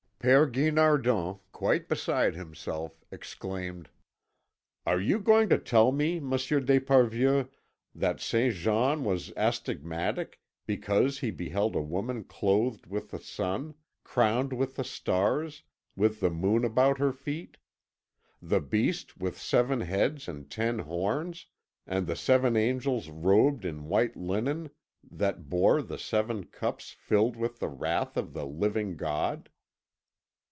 Père Guinardon, quite beside himself, exclaimed: "Are you going to tell me, Monsieur d'Esparvieu, that Saint John was astigmatic because he beheld a woman clothed with the sun, crowned with stars, with the moon about her feet; the Beast with seven heads and ten horns, and the seven angels robed in white linen that bore the seven cups filled with the wrath of the Living God?"